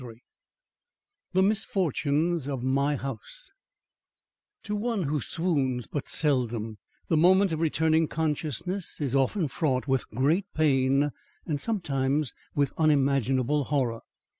XXIII THE MISFORTUNES OF MY HOUSE To one who swoons but seldom, the moment of returning consciousness is often fraught with great pain and sometimes with unimaginable horror.